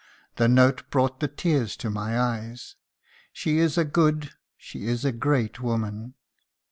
The note brought the tears to my eyes. She is a good, she is a great woman.